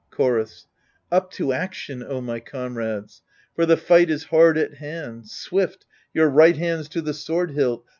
Chorus Up to action, O my comrades ! for the fight is hard at hand. Swift, your right hands to the sword hilt